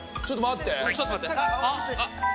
ちょっと待ってあっ。